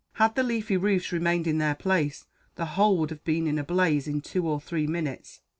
Had the leafy roofs remained in their place, the whole would have been in a blaze in two or three minutes.